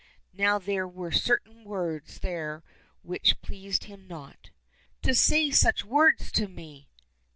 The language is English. Now there were certain words there which pleased him not. " To say such words to me